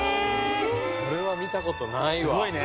これは見たことないわ。